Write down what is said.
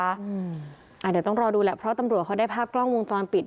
เดี๋ยวต้องรอดูแหละเพราะตำรวจเขาได้ภาพกล้องวงจรปิด